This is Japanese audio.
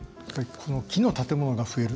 木の建物が増える